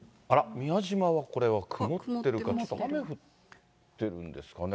宮島はこれは曇ってるか、雨降ってるんですかね？